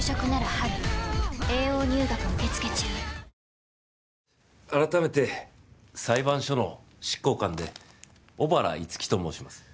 ニトリ改めて裁判所の執行官で小原樹と申します。